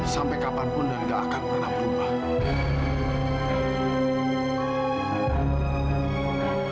sampai kapanpun dan gak akan pernah berubah